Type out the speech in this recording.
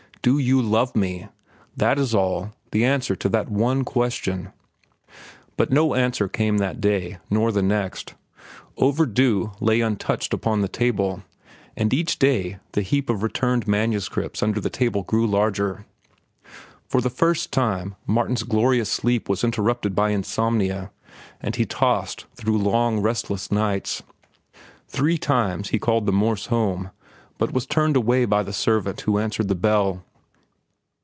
Do you love me? That is all—the answer to that one question." But no answer came the next day, nor the next. "Overdue" lay untouched upon the table, and each day the heap of returned manuscripts under the table grew larger. For the first time Martin's glorious sleep was interrupted by insomnia, and he tossed through long, restless nights. Three times he called at the Morse home, but was turned away by the servant who answered the bell.